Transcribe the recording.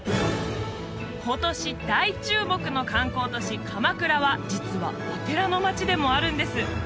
今年大注目の観光都市鎌倉は実はお寺の街でもあるんです